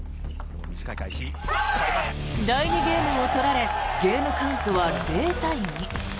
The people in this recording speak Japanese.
第２ゲームも取られゲームカウントは０対２。